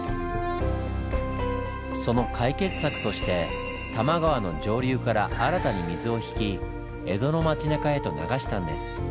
その解決策として多摩川の上流から新たに水を引き江戸の町なかへと流したんです。